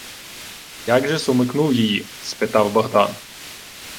— Як же-с умикнув її? — спитав Богдан.